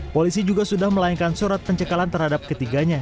polisi juga sudah melayangkan surat pencekalan terhadap ketiganya